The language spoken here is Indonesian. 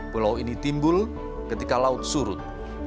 pulau ini timbul ketika laut surut